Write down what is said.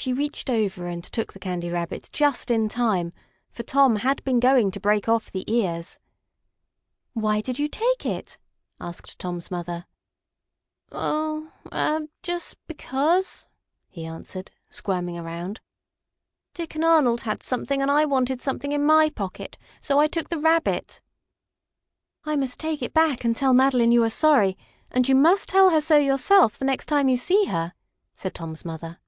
She reached over and took the Candy Rabbit just in time, for Tom had been going to break off the ears. "Why did you take it?" asked Tom's mother. "Oh, er just because," he answered, squirming around. "Dick and Arnold had something, and I wanted something in my pocket. So I took the Rabbit." "I must take it back and tell Madeline you are sorry, and you must tell her so yourself the next time you see her," said Tom's mother.